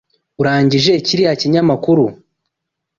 Urangije kiriya kinyamakuru?